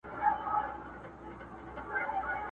وايه څرنگه پرته وي پړسېدلې!!